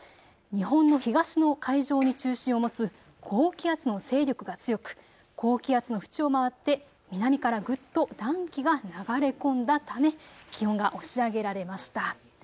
日本の東の海上に中心を持つ高気圧の勢力が強く高気圧の縁を回って南からぐっと寒気が流れ込んだため気温が押し上げられました。